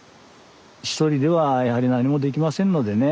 １人ではやはり何もできませんのでね。